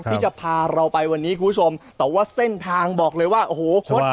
ที่จะพาเราไปวันนี้คุณผู้ชมแต่ว่าเส้นทางบอกเลยว่าโอ้โหคด